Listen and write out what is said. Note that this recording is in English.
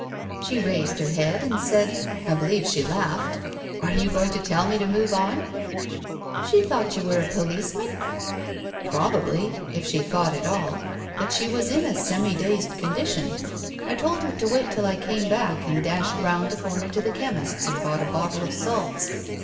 " She raised her head and said — I believe she laughed —' Are you going to tell me to move on ?*"" She thought you were a policeman ?" "Probably — if she thought at all — but she was in a Digitized by Google no TALES OF THE UNEASY semi dazed condition. I told her to wait till I came back, and dashed round the corner to the chemist's and bought a bottle of salts.